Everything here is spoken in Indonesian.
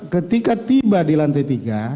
ketika tiba di lantai tiga